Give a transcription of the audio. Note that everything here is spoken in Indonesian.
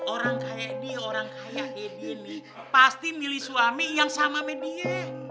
orang kayak dia orang kayak edi nih pasti milih suami yang sama sama dia